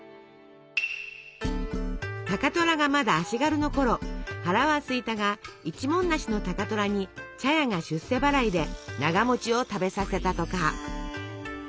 高虎がまだ足軽のころ腹はすいたが一文無しの高虎に茶屋が出世払いでながを食べさせたとか。